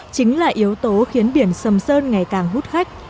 chính là yếu tố khiến biển sầm sơn ngày càng hút khách